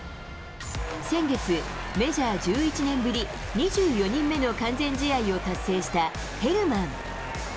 先月、メジャー１１年ぶり２４人目の完全試合を達成した、ヘルマン。